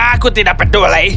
aku tidak peduli